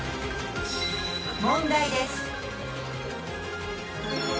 問題です。